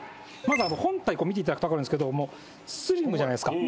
本体見ていただくと分かるんですけどスリムじゃないですか。